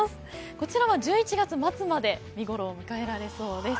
こちらは１１月末まで見ごろを迎えられそうです。